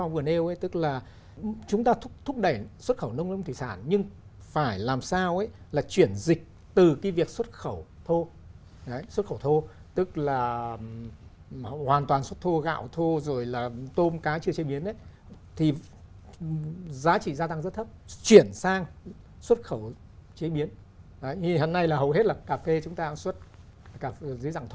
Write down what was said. vừa là kết hợp giữa ngắn hạn trung hạn